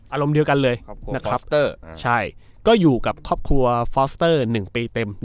อารมณ์เดียวกันเลยนะครับเตอร์ใช่ก็อยู่กับครอบครัวฟอสเตอร์๑ปีเต็ม